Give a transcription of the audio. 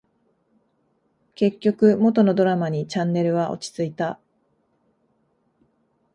結局、元のドラマにチャンネルは落ち着いた